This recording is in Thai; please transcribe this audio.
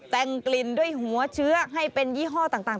แต่งกลิ่นด้วยหัวเชื้อให้เป็นยี่ห้อต่าง